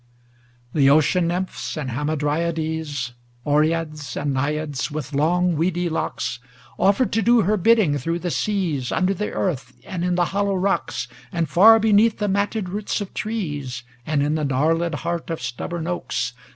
XXII The Ocean nymphs and Hamadryades, Oreads and Naiads with long weedy locks, Offered to do her bidding through the seas, Under the earth, and in the hollow rocks, And far beneath the matted roots of trees, And in the gnarled heart of stubborn oaks.